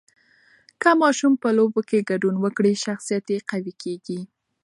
که ماشوم په لوبو کې ګډون وکړي، شخصیت یې قوي کېږي.